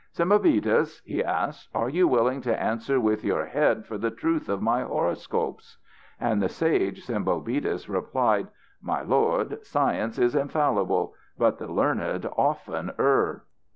"Sembobitis," he asked, "are you willing to answer with your head for the truth of my horoscopes?" And the sage Sembobitis replied: "My lord, science is infallible, but the learned often err."